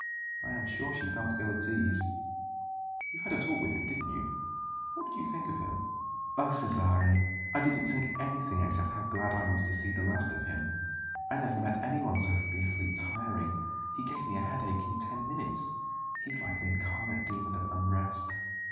I am sure she felt ill at ease." "You had a talk with him, didn't you? What did you think of him?" "Oh, Cesare, I didn't think anything except how glad I was to see the last of him. I never met anyone so fearfully tiring. He gave me a headache in ten minutes. He is like an incarnate demon of unrest."